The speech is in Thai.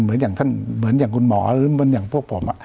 เหมือนอย่างคุณหมอหรืออย่างพวกผม